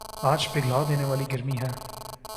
آج پگھلا دینے والی گرمی ہے